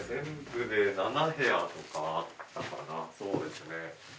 そうですね。